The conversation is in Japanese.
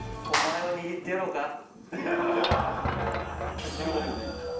お前を握ってやろうか？